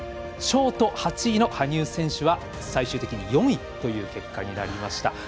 ショート８位の羽生選手は最終的に４位という結果になりました。